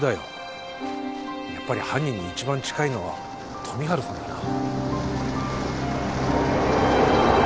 やっぱり犯人に一番近いのは富治さんだな。